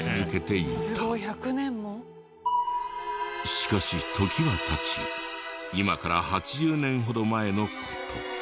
しかし時は経ち今から８０年ほど前の事。